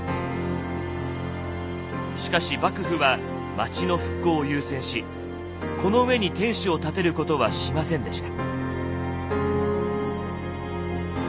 しかし幕府は町の復興を優先しこの上に天守を建てることはしませんでした。